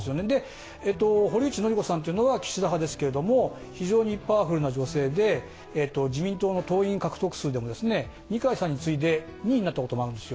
堀内詔子さんは岸田派ですが、非常にパワフルな女性で自民党の党員獲得数でも二階さんに次いで２位になったこともあるんですよ。